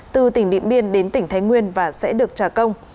từ tỉnh điện biên đến tỉnh thái nguyên và sẽ được trả công